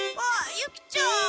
ユキちゃん。